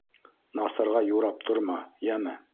Насарға юрап торма, йәме!